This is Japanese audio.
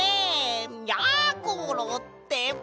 やころってば！